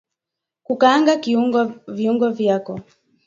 Kukaanga viungo vyako